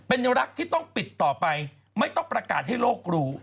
เป็นรักที่ต้องปิดต่อไปไม่ต้องประกาศให้โลกรู้